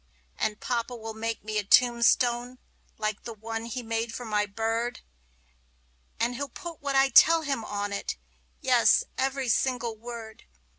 And papa will make me a tombstone, like the one he made for my bird; And he'll put what I tell him on it yes, every single word!